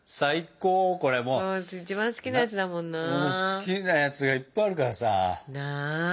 好きなやつがいっぱいあるからさ。